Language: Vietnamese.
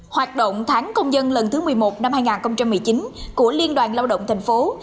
hoạt động tháng công nhân lần thứ một mươi một năm hai nghìn một mươi chín của liên đoàn lao động tp hcm